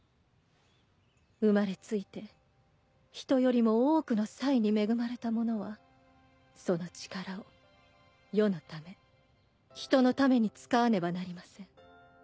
生まれついて人よりも多くの才に恵まれた者はその力を世のため人のために使わねばなりません。